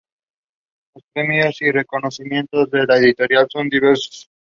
Los premios y reconocimientos de la editorial son diversos.